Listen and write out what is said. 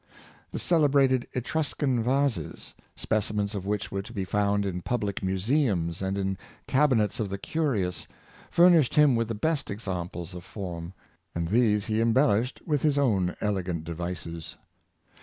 The celebrated Etruscan vases, specimens of which were to be found in public museums and in the cabinets of the curious, furnished him with the best examples of form, and these he embelished with his own elegant devices.